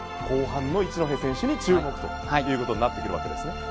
後半の一戸選手に注目ということになってくるわけですね。